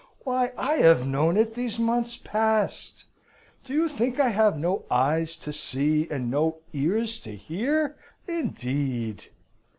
Why, I have known it these months past. Do you think I have no eyes to see, and no ears to hear, indeed?"